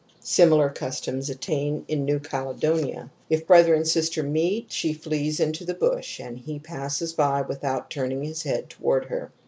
Similiar customs obtain in New Cale donia. If brother and sister meet, she flees into the bush and he passes by without turning his head toward her ^^.